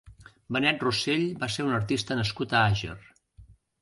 Benet Rossell va ser un artista nascut a Àger.